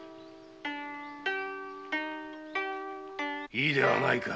いいではないか。